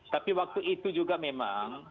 tapi waktu itu juga memang